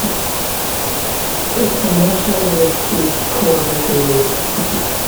It initially received poor reviews.